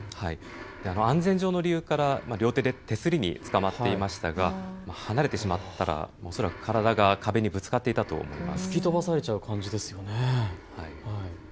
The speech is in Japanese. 安全上の理由から両手で手すりにつかまっていましたが離れてしまったら恐らく体が壁にぶつかっていたと思います。